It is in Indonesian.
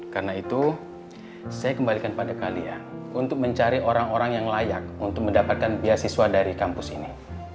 karena itu saya kembalikan pada kalian untuk mencari orang orang yang layak untuk mendapatkan beasiswa dari kampus ini